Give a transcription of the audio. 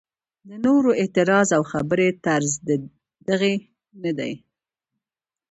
د نورو اعتراض او خبرې طرز دغسې نه دی.